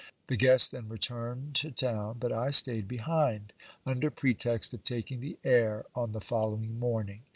The guests then returned to town, but I staid behind, under pretext of taking the air on the following morning.